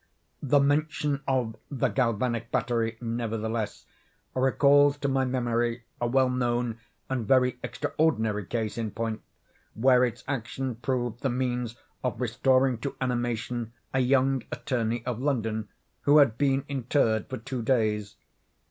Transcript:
The mention of the galvanic battery, nevertheless, recalls to my memory a well known and very extraordinary case in point, where its action proved the means of restoring to animation a young attorney of London, who had been interred for two days.